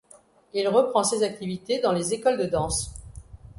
Il reprend ses activités dans les écoles de danse.